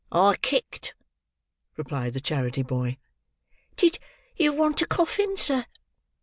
"I kicked," replied the charity boy. "Did you want a coffin, sir?"